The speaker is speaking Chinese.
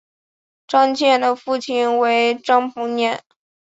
张謇的父亲为张彭年。